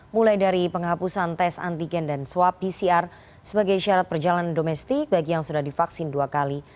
mulai dari penghapusan tes antigen dan swab pcr sebagai syarat perjalanan domestik bagi yang sudah divaksin dua kali